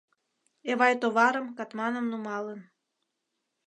Эвай товарым, катманым нумалын.